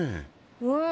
うん。